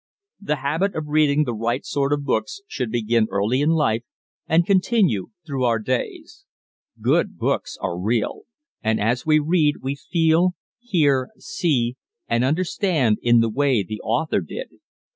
The habit of reading the right sort of books should begin early in life and continue throughout our days. Good books are real ... and as we read we feel, hear, see and understand in the way the author did.